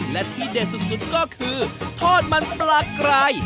และที่เด็ดสุดก็คือทอดมันปลากราย